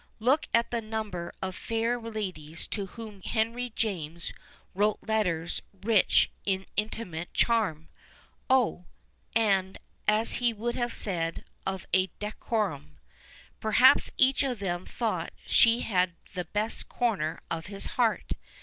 Look at the number of fair ladies to whom Henry James wrote letters rich in inti mate charm (oh ! and, as he would have said, of a decorum !)— ])erhaps each of them thouglit she had the best corner of his heart.